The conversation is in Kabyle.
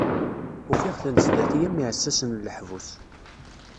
Ufiɣ-ten sdat-i am yiɛessasen n leḥbus.